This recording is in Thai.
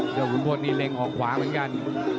เดี๋ยวหุ่นพวดนี้เล็งออกขวาเหมือนกัน